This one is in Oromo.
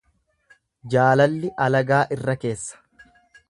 Jaalalli alagaa irra keessa.